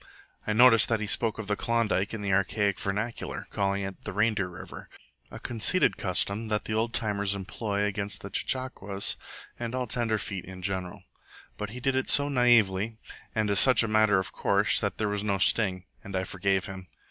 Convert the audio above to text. I noticed that he spoke of the Klondike in the archaic vernacular, calling it the Reindeer River a conceited custom that the Old Timers employ against the CHECHAQUAS and all tenderfeet in general. But he did it so naively and as such a matter of course, that there was no sting, and I forgave him.